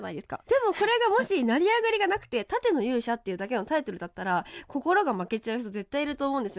でもこれがもし「成り上がり」がなくて「盾の勇者」っていうだけのタイトルだったら心が負けちゃう人絶対いると思うんですよ。